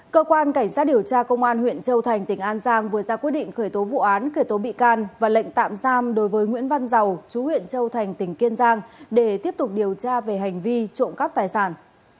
cơ quan cảnh sát điều tra công an huyện châu thành tỉnh an giang vừa ra quyết định khởi tố vụ án khởi tố bị can và lệnh tạm giam đối với nguyễn văn giàu chú huyện châu thành tỉnh kiên giang để tiếp tục điều tra về hành vi trộm cắp tài sản